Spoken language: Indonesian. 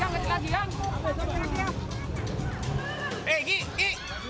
masih lagi kasih lagi